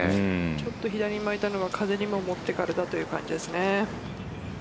ちょっと左に巻いたのは風に持ってかれたっていう感じですかね。